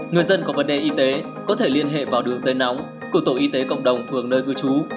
người dân có vấn đề y tế có thể liên hệ vào đường dây nóng của tổ y tế cộng đồng phường nơi cư trú